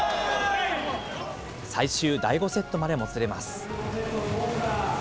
最終第５セットまでもつれます。